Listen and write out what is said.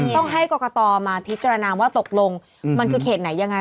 ต้องให้กรกตมาพิจารณาว่าตกลงมันคือเขตไหนยังไง